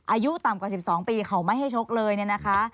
อายุต่ำกว่า๑๒ปีเขาไม่ให้ชกเลยเนี่ยนะคะ